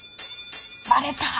バレた。